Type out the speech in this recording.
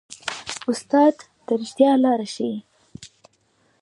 استاد د ریښتیا لاره ښيي.